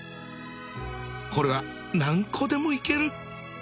これは何個でもいける！